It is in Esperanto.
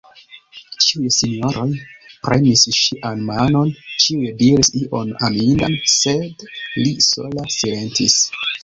Ĉiuj sinjoroj premis ŝian manon, ĉiuj diris ion amindan, sed li sola silentis.